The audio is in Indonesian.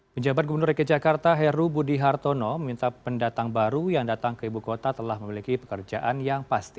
penjabat gubernur reke jakarta heru budi hartono meminta pendatang baru yang datang ke ibu kota telah memiliki pekerjaan yang pasti